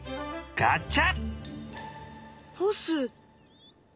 ガチャ？